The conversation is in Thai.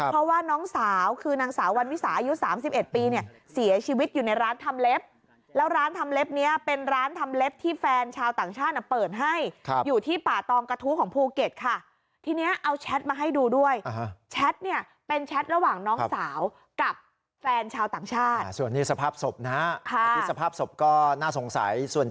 เพราะว่าน้องสาวคือนางสาววันวิสาอายุ๓๑ปีเนี่ยเสียชีวิตอยู่ในร้านทำเล็บแล้วร้านทำเล็บเนี้ยเป็นร้านทำเล็บที่แฟนชาวต่างชาติเปิดให้อยู่ที่ป่าตองกระทู้ของภูเก็ตค่ะทีนี้เอาแชทมาให้ดูด้วยแชทเนี่ยเป็นแชทระหว่างน้องสาวกับแฟนชาวต่างชาติส่วนนี้สภาพศพนะฮะ